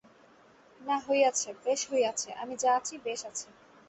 না হইয়াছে, বেশ হইয়াছে–আমি যা আছি, বেশ আছি।